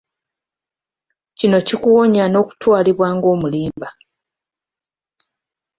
Kino kikuwonya n'okutwalibwa ng'omulimba.